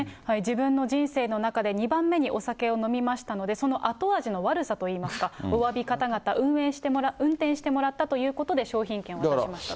自分の人生の中で２番目にお酒を飲みましたので、その後味の悪さといいますか、おわびかたがた、運転してもらったということで商品券を渡しましたと。